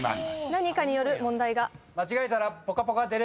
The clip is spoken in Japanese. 何かによる問題が。